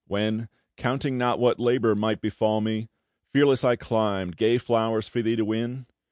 When, counting not what labour might befall me, Fearless I climbed, gay flow'rs for thee to win?